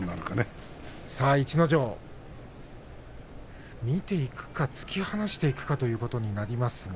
逸ノ城は見ていくか突き放していくかということになりますが。